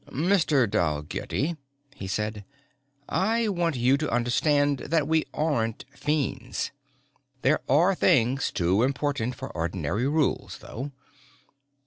"Mr. Dalgetty," he said, "I want you to understand that we aren't fiends. There are things too important for ordinary rules though.